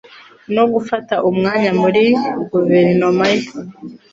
no gufata umwanya muri guverinoma ye.